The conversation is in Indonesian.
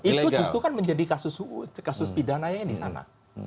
itu justru kan menjadi kasus pidananya di sana